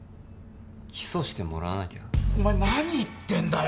起訴してもらわなきゃお前何言ってんだよ